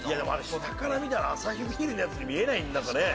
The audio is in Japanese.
下から見たらアサヒビールのやつに見えない。